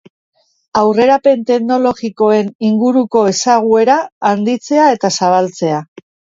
Aurrerapen teknologikoen inguruko ezaguera handitzea eta zabaltzea.